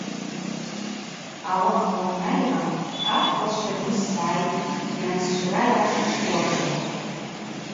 Ауаъа уаннайра – Атӏкъва сщырныс сгӏайтӏ, йансщра йгӏасышвтуашйа?